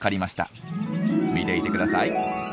見ていてください。